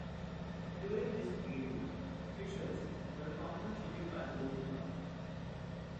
During this period fishers were compensated by the local government.